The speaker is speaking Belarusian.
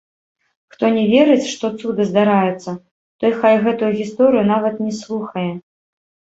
Хто не верыць, што цуды здараюцца, той хай гэтую гісторыю нават не слухае.